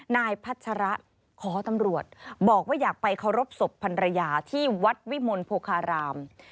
นายพัชระขอตำรวจบอกว่าอยากไปเคารพศพพันรยาที่วัดวิมลโพคาราม